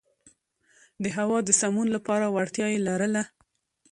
د هوا د سمون لپاره وړتیا یې لرله.